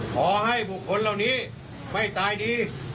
ขอให้บุคคลเหล่านี้ไม่ตายดี